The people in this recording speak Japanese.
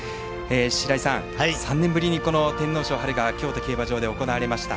白井さん、３年ぶりに天皇賞が京都競馬場で行われました。